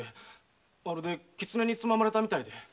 まるでキツネにつままれたようで。